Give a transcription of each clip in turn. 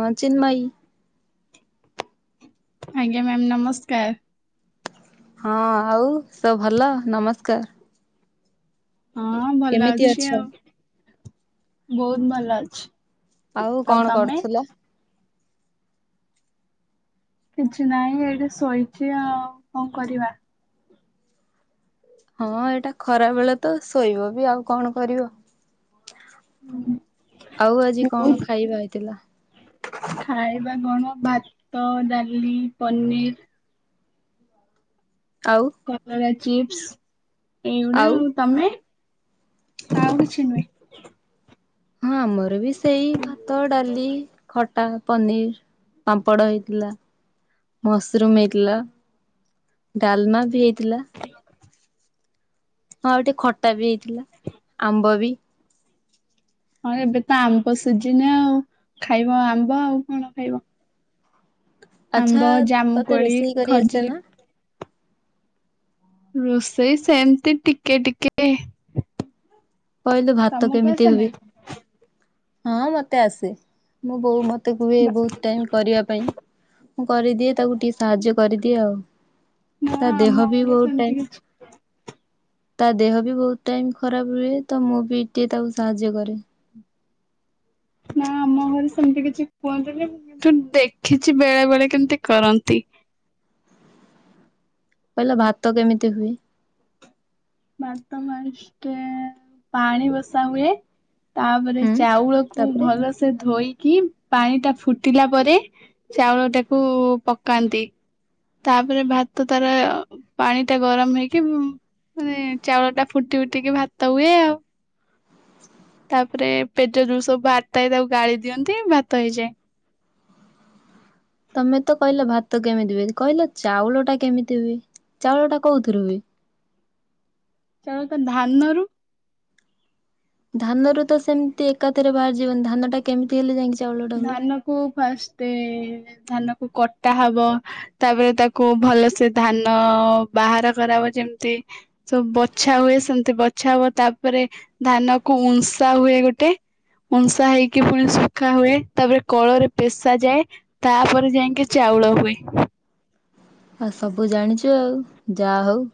ହଁ ଚିନ୍ମଇ। ଆଜ୍ଞା ମ୍ୟାମ୍ ନମସ୍କାର୍। ହଁ ଆଉ ସବୁ ଭଲ ନମସ୍କାର୍। ହଁ ଭଲ କେମିତି ଅଛ? ଅଛି ଆଉ ବହୁତ୍ ଭଲ ଅଛି। ଆଉ କଣ କରୁଥିଲେ? କିଛି ନାଇଁ ଏଇଠି ଶୋଇଚି ଆଉ କଣ କରିବା? ହଁ ଏଇଟା ଖରା ବେଳେ ତ ଶୋଇବ ବି ଆଉ କଣ କରିବ। ଆଉ ଆଜି ବହୁତ କଣ ଖାଇବା ହେଇଥିଲା? ଖାଇବା କଣ ଭାତ, ଡାଲି, ପନିର। ଆଉ? କଲରା ଚିପ୍ସ ଏଇଗୁଡା ଆଉ ତମେ ଆଉ କିଛି ନୁହେଁ। ହଁ ଆମର ବି ସେଇ ଭାତ, ଡାଲି, ଖଟା। ପନିର, ପାମ୍ପଡ଼, ହେଇଥିଲା ମସରୁମ, ହେଇଥିଲା। ଡାଲମା ବି ହେଇଥିଲା। ହଁ ଆଉ ଟିକେ ଖଟା ବି ହେଇଥିଲା ଆମ୍ବ ବି। ହଁ ଏବେ ତ ଆମ୍ବ ସିଝିନ ଆଉ ଖାଇବ ଆମ୍ବ ଆଉ କଣ ଖାଇବ। ଆଚ୍ଛା ଆମ୍ବ, ତତେ ଜାମୁକୋଳି, ରୋଷେଇ କରି ଆସେ ଖଜୁରୀ ନା? ରୋଷେଇ ସେମତି ଟିକେ ଟିକେ କହିଲୁ ଭାତ ତମକୁ କେମିତି ଆସେ ନା? ହୁଏ ହଁ ମତେ ଆସେ। ମୋ ବୋଉ ମତେ କୁହେ ବୋହୁତ ଟାଇମ କରିବା ପାଇଁ। ମୁଁ କରିଦିଏ ତାକୁ ଟିକେ ସାହାଯ୍ୟ କରିଦିଏ ଆଉ ନା ତା ଆମ ଦେହ ବି ଘରେ ବୋହୁତ ସେମିତି ଟାଇମ୍ କିଛି ତା ଦେହ ବି ବୋହୁତ ଟାଇମ ଖରାପ ରୁହେ ତ ମୁଁ ବି ଟିକେ ତାକୁ ସାହାଯ୍ୟ କରେ। ନା ଆମ ଘରେ ସେମତି କିଛି କୁହନ୍ତିନି ମୁଁ କିନ୍ତୁ ଦେଖିଚି ବେଳେବେଳେ କେମତି କରନ୍ତି। କହିଲ ଭାତ କେମିତି ହୁଏ? ଭାତ ଫାଷ୍ଟେ ପାଣି ବସାହୁଏ। ତାପରେ ହୁଁ ଚାଉଳକୁ ତାପରେ ଭଲ ସେ ଧୋଇକି ପାଣିଟା ଫୁଟିଲା ପରେ ଚାଉଳଟାକୁ ପକାନ୍ତି। ତାପରେ ଭାତ ତାର ପାଣିଟା ଗରମ ହେଇକି ମାନେ ଚାଉଳଟା ଫୁଟି ଫୁଟିକି ଭାତ ହୁଏ ଆଉ। [inaudible] ତାପରେ ପେଜ ଯୋଉ ସବୁ ବାହାରି ଥାଏ ତାକୁ ଗାଳି ଦିଅନ୍ତି ଭାତ ହେଇଯାଏ। ତମେ ତ କହିଲ ଭାତ କେମିତି ହୁଏ କହିଲ ଚାଉଳଟା କେମିତି ହୁଏ ଚାଉଳଟା କୋଉଥୁରୁ ହୁଏ। ଚାଉଳଟା ଧାନରୁ ଧାନରୁ ତ ସେମତି ଏକାଥରେ ବାହାରିଯିବନି ଧାନଟା କେମତି ହେଲେ ଯାଇକି ଚାଉଳଟା ହୁଏ? ଖୁବ ଫାଷ୍ଟେ ଧାନକୁ କଟା ହବ ତାପରେ ତାକୁ ଭଲସେ ଧାନ ବାହାର କରାହବ ଯେମତି ସବୁ ବଛା ହୁଏ ସେମତି ବଛା ହବ ତାପରେ ଧାନକୁ ଉଂସା ହୁଏ ଗୋଟେ ଉଂସା ହେଇକି ପୁଣି ସୁଖା ହୁଏ। ତାପରେ କଳରେ ପେଶା ଯାଏ ତାପରେ ଯାଇଁକି ଚାଉଳ ହୁଏ। ଆଉ ସବୁ ଜାଣିଚୁ ଆଉ ଯାହୋଉ।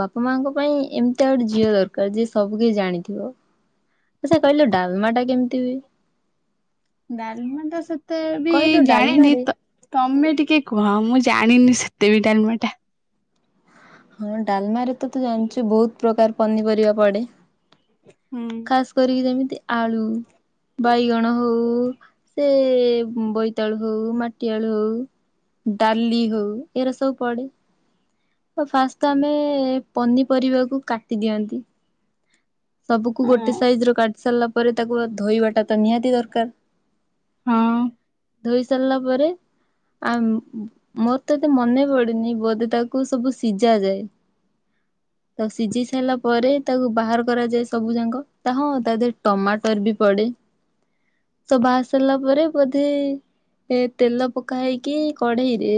ବାପା ମାଆଙ୍କ ପାଇଁ ଏମତିଆ ଗୋଟେ ଝିଅ ଦରକାର ଯିଏ ସବୁ କିଛି ଜାଣିଥିବ। ଆଛା କହିଲୁ ଡାଲମାଟା କେମିତି ହୁଏ? ଡାଲମଟା ସେତେ ବି କହିଲୁ ଜାଣିନି ଡାଲମାରେ ତ ତମେ ଟିକେ କୁହ ମୁଁ ଜାଣିନି ସେତେ ବି ଡାଲମାଟା। ହଁ ଡାଲମାରେ ତ ତୁ ଜାଣଚୁ ବୋହୁତ ପ୍ରକାର ପନିପରିବା ପଡ଼େ। ହୁଁ। ଖସ କରିକି ଯେମିତି ଆଳୁ ବାଇଗଣ ହୋଉ ସେ ବୋଇତାଳୁ ହୋଉ ମାଟିଆଳୁ ହୋଉ ଡାଲି ହୋଉ ଏରା ସବୁ ପଡେ। ଫାଷ୍ଟ ଆମେ ପନିପରିବାକୁ କାଟି ଦିଅନ୍ତି ସବୁକୁ ଗୋଟେ ସାଇଜ ର କାଟି ସାରିଲା ପରେ ତାକୁ ଧୋଇବାଟା ତ ନିହାତି ଦରକାର ହଁ ଧୋଇ ସାରିଲା ପରେ ଆ ମୋର ତ ଏତେ ମନେ ପଡନି ବୋଧେ ତାକୁ ସବୁ ସିଝା ଯାଏ। ତାକୁ ସିଝି ସାରିଲା ପରେ ତାକୁ ବାହାର କରାଯାଏ ସବୁ ଯାକ ତା ହଁ ତା ଦେହରେ ଟମାଟର ବି ପଡେ। ସ ବା ସାରିଲା ପରେ ବୋଧେ ଏ ତେଲ ପକା ହେଇକି କଢେଇରେ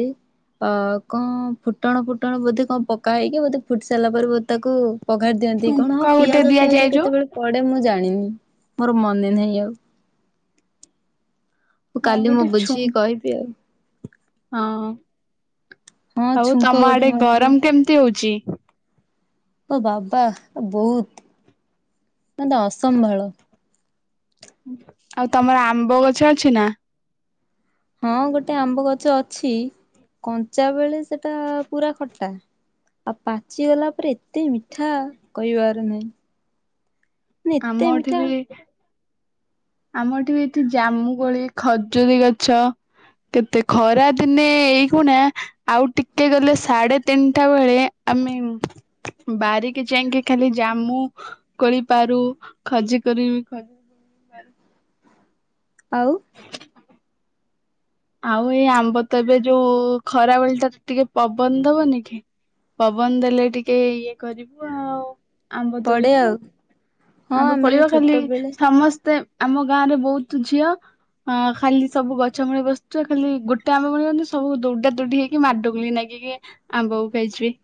ଆ କଣ ଫୁଟଣ ଫୁଟଣ ବୋଧେ କଣ ପକା ହେଇକି ବୋଧେ ଫୁଟି ସାରିଲା ପରେ ବୋ ତାକୁ ପଖାରି ଦିଅନ୍ତି କଣ ଛୁଙ୍କା ହଁ ଗୋଟେ ପିଆଜ ଦିଆଯାଏ ଫିଆଜ ଯୋଉ କେତେବେଳେ ପଡେ ମୁଁ ଜାଣିନି ମୋର ମନେ ନାହିଁ ଆଉ ହଁ କାଲି ମୁଁ ଗୋଟେ ଛୁ ବୁଝିକି କହିବି ଆଉ ହଁ ହଁ ଆଉ ଛୁଙ୍କ ତମ ଗୋଟେ ଆଡେ ମରାଯାଏ ଗରମ କେମିତି ହଉଛି ଓ ବାବା ବହୁତ ମେ ଅସମ୍ଭାଳ ଆଉ ତମର ଆମ୍ବ ଗଛ ଅଛି ନା ହଁ ଗୋଟେ ଆମ୍ବ ଗଛ ଅଛି କଞ୍ଚା ବେଳେ ସେଟା ପୁରା ଖଟା ଆଉ ପାଚିଗଲା ପରେ ଏତେ ମିଠା କହିବାର ନାହିଁ ମାନେ ଆମ ଏତେ ମିଠା ଆମର ଏଠି ଏଠି ଜାମୁକୋଳି ଖଜୁରୀ ଗଛ କେତେ ଖରା ଦିନେ ଏଇଗୁଣା ଆଉ ଟିକେ ଗଲେ ସାଢେ ତିନିଟା ବେଳେ ଆମେ, ବାରିକି ଯାଇକି ଖାଲି ଜାମୁ କୋଳି ପାରୁ ଖଜୁରୀକୋଳି ବି ଆଉ ଆଉ ଏଇ ଆମ୍ବତ ଏବେ ଯୋଉ ଖରାବେଳେ ଟାରେ ଟିକେ ପବନ ଦବନି କି ପବନ ଦେଲେ ଟିକେ ଇଏ କରିବୁ ଆଉ ଆମ୍ବ ପଡେ ତୋଳିବୁ, ଆଉ ହଁ ଆମ୍ବ ଆମେ ବି ପଡିବ ଖାଲି ଛୋଟବେଳେ ସମସ୍ତେ ଆମ ଗାଁରେ ବହୁତ ଝିଅ ଅ ଖାଲି ସବୁ ଗଛ ମୂଳେ ବସି ଛୁଆ ଖାଲି ଗୋଟେ ଆମ୍ବ ପଡ଼ିବନି ତ ସବୁ ଦୌଡା ଦୌଡି ହେଇକି ମାଡାଗୋଳି ନାଗିକି ଆମ୍ବକୁ ଖାଇଯିବେ।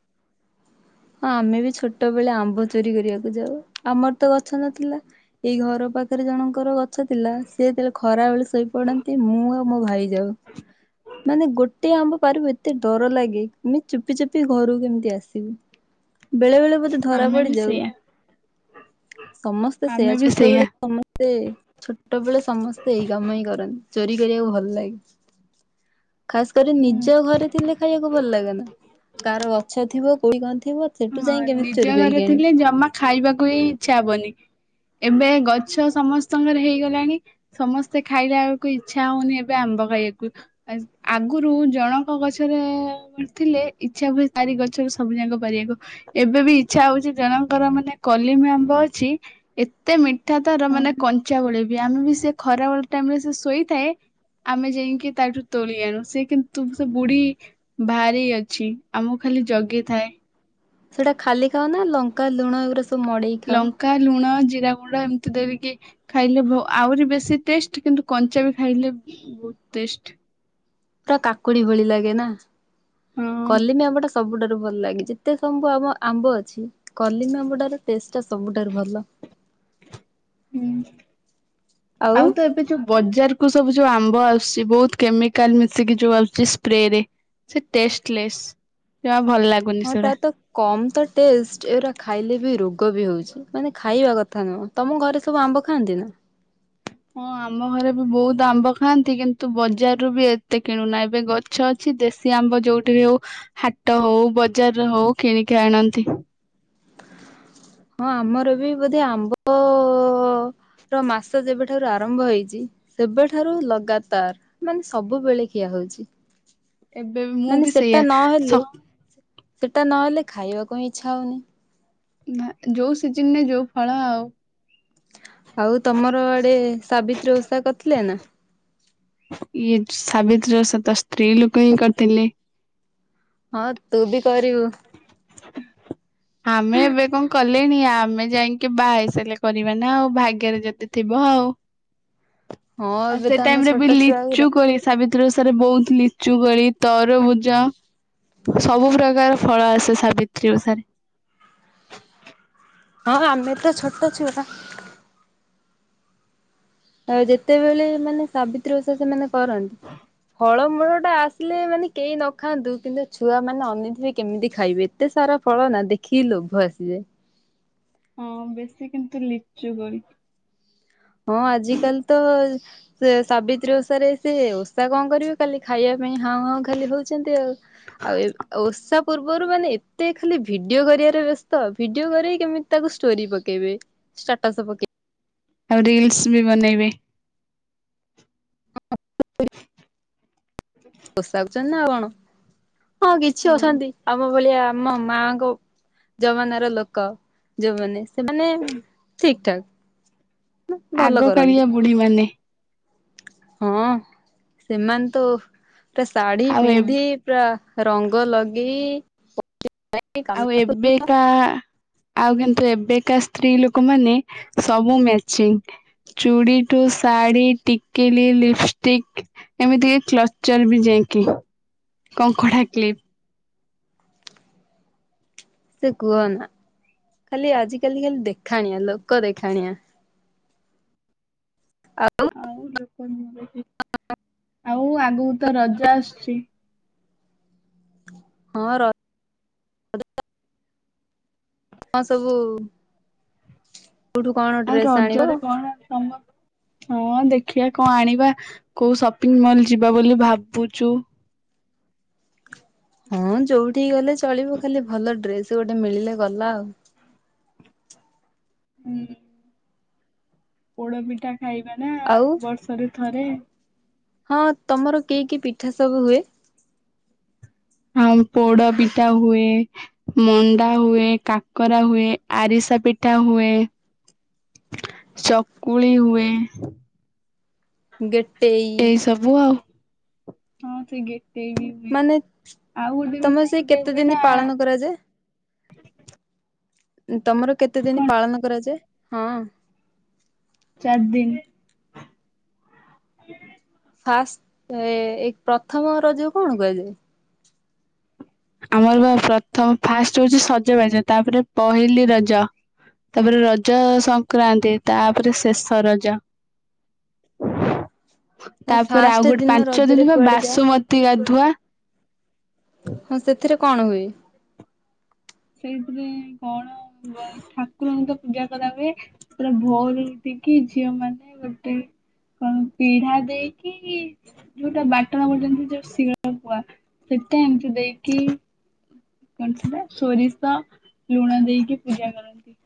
ହଁ ଆମେ ବି ଛୋଟ ବେଳେ ଆମ୍ବ ଚୋରି କରିବାକୁ ଯାଉ, ଆମର ତ ଗଛ ନଥିଲା। ଏଇ ଘର ପାଖରେ ଜଣଙ୍କର ଗଛ ଥିଲା, ସେ ଯେତେବେଳେ ଖରାବେଳେ ଶୋଇ ପଡନ୍ତି ମୁଁ ଆଉ ମୋ ଭାଇ ଯାଉ ମାନେ ଗୋଟେ ଗୋଟେ ଆମ୍ବ ପାରିବୁ ଏତେ ଡର ଲାଗେ ଆମେ ଚୁପି ଚୁପି ଘରକୁ କେମିତି ଆସିବୁ। ବେଳେ ବେଳେ ବୋଧେ ଧରା ଆମେ ବି ପଡିଯାଉ, ସେଇଆ ସମସ୍ତେ ଆମେ ସେୟା ବି ଛୋଟ ସେଇଆ। ବେଳେ ସମସ୍ତେ ଛୋଟ ବେଳେ ସମସ୍ତେ ଏଇ କାମ ହିଁ କରନ୍ତି, ଚୋରି କରିବାକୁ ଭଲ ଲାଗେ। ଖାସ କରି ନିଜ ଘରେ ଥିଲେ ଖାଇବାକୁ ଭଲ ଲାଗେନା, କାହାର ଗଛ ଥିବ କୋଉଟି କଣ ଥିବ ସେଠୁ ହଁ ଯାଇ କେମିତି ଚୋରି ନିଜ କରିକି ଘରେ ଆଣିବୁ ଥିଲେ ଜମା ଖାଇବାକୁ ହି ଇଚ୍ଛା ହବନି। ଏବେ ଗଛ ସମସ୍ତଙ୍କର ହେଇଗଲାଣି ସମସ୍ତେ ଖାଇଲାବେଳକୁ ଇଚ୍ଛା ହଉନି ଏବେ ଆମ୍ବ ଖାଇବାକୁ ଆ ଆଗରୁ ଜଣଙ୍କ ଗଛରେ ଥିଲେ, ଇଚ୍ଛା ହୁଏ ତାରି ଗଛରୁ ସବୁ ଜାକ ପାରିବାକୁ ଏବେ ବି ଇଚ୍ଛା ହଉଛି ଜଣଙ୍କର ମାନେ କଲିମ ଆମ୍ବ ଅଛି ଏତେ ମିଠା ତାର ମାନେ ହଁ। କଞ୍ଚାବେଳେ ବି ଆମେ ବି, ସେ ଖରାବେଳେ ଟାଇମରେ ସେ ଶୋଇଥାଏ ଆମେ ଯାଇକି ତାଠୁ ତୋଳି ଆଣୁ, ସେ କିନ୍ତୁ ତୁ ସେ ବୁଢୀ ଭାରି ଅଛି ଆମକୁ ଖାଲି ଜଗି ଥାଏ। ସେଇଟା ଖାଲି ଖାଅ ନା ଲଙ୍କା, ଲୁଣ ଏଗୁଡା ସବୁ ମଡେଇକି ଖାଅ ଲଙ୍କା, ଲୁଣ, ଜିରା ଗୁଣ୍ଡ ଏମିତି ଦେରିକି ଖାଇଲେ ବୋ ଆହୁରି ବେଶୀ ଟେଷ୍ଟ କିନ୍ତୁ କଞ୍ଚା ବି ଖାଇଲେ ବହୁତ ଟେଷ୍ଟ। ପୁରା କାକୁଡି ଭଳି ଲାଗେ ନା, ହଁ। କଲିମ୍ବି ଆମ୍ବଟା ସବୁଠାରୁ ଭଲ ଲାଗେ ଯେ। ଯେତେସବୁ ଆମ ଆମ୍ବ ଅଛି କଲିମ୍ବି ଆମ୍ବଟାର ଟେଷ୍ଟଟା ସବୁଠାରୁ ଭଲ। ହୁଁ ଆଉ ତ ଏବେ ଯୋ ବଜାରକୁ ସବୁ ଯୋଉ ଆମ୍ବ ଆସୁଚି ବହୁତ କେମିକାଲ୍ ମିଶିକି ଯୋଉ ଆସୁଚି ସ୍ପ୍ରେରେ ସେ ଟେଷ୍ଟଲେସ୍ ଜମା ଭଲ ଲା ହଁ ତାର ତ କମ ତ ଟେଷ୍ଟ ଏଉରା ଖାଇଲେ ବି ରୋଗ ବି ହଉଚି। ମାନେ ଖାଇବା କଥା ନୁହଁ। ତମ ଘରେ ସବୁ ଆମ୍ବ ଖାଆନ୍ତି ନା? ହଁ ଆମ ଘରେ ବି ବହୁତ ଆମ୍ବ ଖାଆନ୍ତି କିନ୍ତୁ ବଜାରରୁ ବି ଏତେ କିଣୁନା ଏବେ ଗ ଛ ଅଛି। ଦେଶୀ ଆମ୍ବ ଯୋଉଠି ହଉ ହାଟ ହଉ ବଜାରରେ ହଉ କିଣିକି ଆଣନ୍ତି। ହଁ ଆମର ବି ବୋଧେ ଆମ୍ବର ମାସ ଯେବେଠାରୁ ଆରମ୍ଭ ହେଇଚି ସେବେଠାରୁ ଲଗାତାର ମାନେ ସବୁବେଳେ ଖିଆ ହଉଚି। ଏବେ ବି ମୁଁ ବି ସେଇଆ ନହେଲେ ସ ସେଟା ନହେଲେ ଖାଇବାକୁ ହିଁ ଇଚ୍ଛା ହଉନି। ନାଁ ଯୋଉ ସିଜିନରେ ଯୋଉ ଫଳ ଆଉ। ଆଉ ତମର ଆଡେ ସାବିତ୍ରୀ ଓଷା କରିଥିଲେ ନା? ଇଏ ସାବିତ୍ରୀ ଓଷା ତ ସ୍ତ୍ରୀ ଲୋକ ହିଁ କରିଥିଲେ। ହଁ ତୁ ବି କରିବୁ। ଆମେ ଏବେ କଣ କ ଲେଣି ଆମେ ଯାଇକି ବାହାହେଇ ସାରିଲେ କରିବା ନା ଆଉ ଭାଗ୍ୟରେ ଯଦି ଥିବ ଆଉ। ହଁ ଆଉ ଏବେ ସେ ତ ଆମେ ଟାଇମରେ ଛୋଟ ବି ଛୁଆ ଲିଚୁ ଗୁରା କୋଳି ସାବିତ୍ରୀ ଓଷାରେ ବହୁତ ଲିଚୁ କୋଳି ତରଭୁଜ ସବୁ ପ୍ରକାର ଫଳ ଆସେ ସାବିତ୍ରୀ ଓଷାରେ। ହଁ ହଁ ଆମେ ତ ଛୋଟ ଛୁଆ ଆଉ ଯେତେବେଳେ ମାନେ ସାବିତ୍ରୀ ଓଷା ସେମାନେ କରନ୍ତି ଫଳମୂଳଟା ଆ ସିଲେ ମାନେ କେହି ନ ଖାଆନ୍ତୁ କିନ୍ତୁ ଛୁଆମାନେ ଅନେଇ ଥିବେ କେମିତି ଖାଇବେ ଏତେ ସାରା ଫଳ ନା ଦେ ଖିକି ଲୋଭ ଆସିଯାଏ। ହଁ ବେଶୀ କିନ୍ତୁ ଲିଚୁ କୋଳି। ହଁ ଆଜିିକାଲି ତ ସେ ସାବିତ୍ରୀ ଓଷାରେ ସେ ଓଷା କଣ କରିବେ ଖାଲି ଖାଇବା ପାଇଁ ହାଉଁ ହାଉଁ ଖାଲି ହଉଚନ୍ତି ଆଉ। ଆଉ ଏବ୍ ଓଷା ପୂର୍ବରୁ ମାନେ ଏତେ ଖାଲି ଭିଡିଓ କରିବାରେ ବ୍ୟସ୍ତ ଭିଡିଓ କରିକି କେମି ତାକୁ ଷ୍ଟୋରି ପକେଇବେ ଷ୍ଟାଟସ ପକେ ଆଉ ରିଲସ୍ ବି ବନେଇବେ। [inaudible] ଓଷା କରୁଚନ୍ତି ନା ଆଉ କଣ ହଁ କିଛି ଅଛନ୍ତି ଆମ ଭଳିଆ ଆମ ମାଙ୍କ ଜମାନାର ଲୋକ ଯୋଉମାନେ ସେମାନେ ଠିକ୍ ଠାକ୍। [unintelligible] ଭଲ ଆଗ କରନ୍ତି। କାଳିଆ ବୁଢୀ ମାନେ ହଁଅ ସେମାନେ ତ ଓହୋ ପୁରା ଶାଢୀ ଆଉ ଏ ପିନ୍ଧି ପୁରା ରଙ୍ଗ ଲଗେଇ କାମ ଆଉ ଏବେକା ଆଉ କିନ୍ତୁ ଏବେକା ସ୍ତ୍ରୀ ଲୋକମାନେ ସବୁ ମ୍ୟାଚିଂ। ଚୁଡି ଠୁ ଶାଢି, ଟିକିଲି, ଲିପଷ୍ଟିକ୍ ଏମିତି କି କ୍ଲଚର୍ ବି ଯାଇକି କଙ୍କଡା କ୍ଲିପ୍। ସେ କୁହ ନା ଖାଲି ଆଜିିକାଲି ଖାଲି ଦେଖାଣିଆ ଲୋକ ଦେଖାଣିଆ। ଆଉ ଲୋକମାନେ ବେଶୀ [unintelligible] ଆଉ ଆଗକୁ ତ ରଜ ଆସୁଚି। ହଁ ର ହଁ ସବୁ କୋଉଠୁ କଣ ଟେ ଆଉ ରଜରେ କଣ ତମ ହଁ ଦେଖିବା କଣ ଆଣିବା କୋଉ ସପିଙ୍ଗ୍ ମଲ୍ ଯିବା ବୋଲି ଭାବୁଛୁ। ହଁ ଯୋଉଠିକି ଗଲେ ଚଳିବ ଖାଲି ଭଲ ଡ୍ରେସ୍ ଗୋଟେ ମିଳିଲେ ଗଲା ଆଉ। ହୁଁ। ପୋଡ ପିଠା ଖାଇବା ନା। ଆଉ ବର୍ଷ ରେ ଥରେ। ହଁ ତମର କି କି ପିଠା ସବୁ ହୁଏ? ଆଉ ପୋଡ ପିଠା ହୁଏ। ମଣ୍ଡା ହୁଏ, କାକରା ହୁଏ, ଆରିସା ପିଠା ହୁଏ। ଚକୁଳି ହୁଏ। ଗେଟେଇ ଏଇ ସବୁ ଆଉ ହଁ ସେ ଗଟେଇ ବି। ମାନେ ଆଉ ଗୋଟେ ବି ତମର ସେଇ କୋଉଟେ କେତେ ହୁଏ ଦିନ ନା ପାଳନ କରାଯାଏ ତମର କେତେ ଦିନ କଣ ପାଳନ କରାଯାଏ? ହଁ। ଚାର୍ ଦିନ୍। ଫାଷ୍ଟ୍ ଏ ଏଇ ପ୍ରଥମ ରଜକୁ କଣ କୁହାଯାଏ? ଆମର ବା ପ୍ରଥମ ଫାଷ୍ଟ୍ ହଉଛି ସଜବାଜ ତାପରେ ପହିଲି ରଜ। ତାପରେ ରଜ ସଂକ୍ରାନ୍ତି ତାପରେ ଶେଷ ରଜ। [unintelligible] ନା ତାପ ରେ ଫାଷ୍ଟ ଆଉ ଗୋଟେ ଦିନ ପାଞ୍ଚ ରଜରେ ଦିନ୍ ବା କୁଆଡେ ଯା ବାସୁମତି ଗାଧୁଆ। ହଁ ସେଥିରେ କଣ ହୁଏ? ସେଇଥିରେ କଣ ଧୁଆ ଠାକୁରଙ୍କୁ ତ ପୂଜା କରା ହୁଏ। ପୁରା ଭୋରୁ ଉଠି କିି ଝିଅ ମାନେ ଗୋଟେ କଣ ପିଢା ଦେଇକି ଯୋଉଟା ବାଟଣା ବଟାନ୍ତି ଯୋଉ ଶିଳ ପୁଆ ସେଟା ଏମିତି ଦେଇକି କଣ ସେଟା ସୋରିଷ, ଲୁଣ ଦେଇକି ପୂଜା କରନ୍ତି।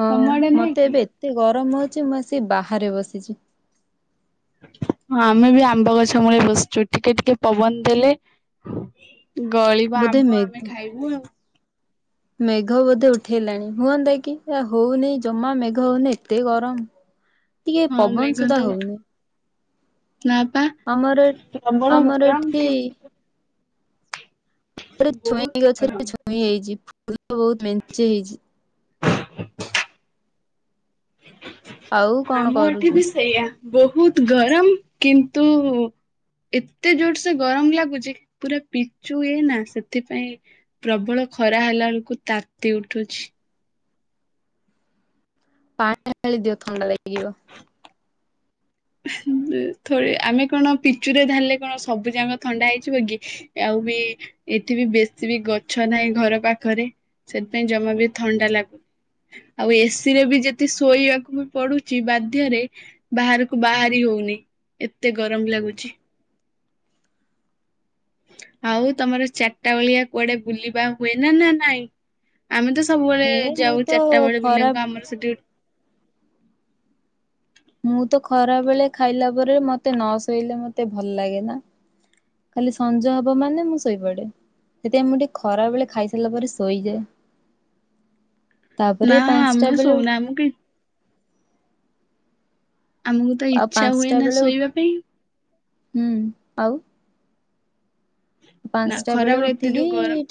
ହଁ ତମ ଆଡେ ନାହିଁ ମତେ କି? ଏବେ ଏତେ ଗରମ ହଉଛି ମୁଁ ଆସିିକି ବାହାରେ ବସିଛି। ହଁ ଆମେ ବି ଆମ୍ବ ଗଛ ମୂଳେ ବସିଛୁ ଟିକେ ଟିକେ ପବନ ଦେଲେ ଗଳିବ ବୋଧେ ଆମ୍ବ ମେଘ ଆମେ ଖାଇବୁ ଆଉ। ମେଘ ବୋଧେ ଉଠେଇଲାଣି ହୁଅନ୍ତା କି ହଉନି ଜମା ମେଘ ହଉନି ଏତେ ଗରମ। [inaudible] ହଁ ପବନ ମେଘ ସୁଧା ତ ହଉନି ଉଠୁ ନା ପା। ଆମର ପ୍ରବଳ ଆମର ଗରମ ଏଠି ଥି ପୁରା ବହୁତ ଛୁଇଁ ଗରମ। ଗଛରେ ଛୁଇଁ ହେଇଛି ଫୁଲ ବହୁତ ମେଞ୍ଚେ ହେଇଛି। ଆଉ କଣ ଆମ ଏଠି କରୁଛୁ? ବି ସେଇଆ ବହୁତୁ ଗରମ କିନ୍ତୁ ଏତେ ଜୋର ସେ ଗରମ ଲାଗୁଚି ପୁରା ପିଚୁ ହୁଏ ନା ସେଥିପାଇଁ ପ୍ରବଳ ଖରା ହେଲା ବେଳକୁ ତାତି ଉଠୁଛି। [inaudible] ଖାଳି ଦିିଅ ଥଣ୍ଡା ଲାଗିିବ। ଥଇ ଆମେ କଣ ପିଚୁ ରେ ଢ଼ାଳିଲେ କଣ ସବୁ ଯାକ ଥଣ୍ଡା ହେଇଯିବ କି। ଆଉ ବି ଏଠି ବି ବେଶୀ ବି ଗଛ ନାହିଁ ଘର ପାଖରେ। ସେଥିପାଇଁ ଜମା ବି ଥଣ୍ଡା ଲାଗୁ ଆଉ ଏସି ରେ ବି ଯେଦି ଶୋଇବାକୁ ବି ପଡୁଛି ବାଧ୍ୟରେ ବାହାର ବାହାରି ହଉନି ଏତେ ଗରମ ଲାଗୁଛି। ଆଉ ତମର ଚାଟା ବଳିଆ କୁଆଡେ ବୁଲିବା ହୁଏ ନା ନା ନାଇଁ। ଆମେ ତ ସବୁବେଳେ ହେ ମୁଁ ଯାଉ ତ ଚାଟା ବେଳେ ଖରା ବିଲାକୁ ଆମର ସେଠି ଗୋଟେ। ମୁଁ ତ ଖରା ବେଳେ ଖାଇଲା ପରେ ମତେ ନ ଶୋଇଲେ ମତେ ଭଲ ଲାଗେ ନା। ଖାଲି ସଞ୍ଜ ହବ ମାନେ ମୁଁ ଶୋଇପଡେ। ସେଥିପାଇଁ ମୁଁ ଟିକେ ଖରା ବେଳେ ଖାଇସାରିଲା ପରେ ଶୋଇଯାଏ। ତାପରେ ପାଞ୍ଚଟା ବେଳେ ଉ ଆମୁ କାଇଁ ଆମକୁ ତ ଆଉ ଇଚ୍ଛା ହୁଏ ପାଞ୍ଚଟା ନା ବେଳେ ଶୋଇବା ପାଇଁ। ହୁଁ ଆଉ। ନା ପାଞ୍ଚଟା ବେଳେ ଖରାବେଳେ ଏତେ ଯୋଉ ଉଠିକି ଗରମ ଟି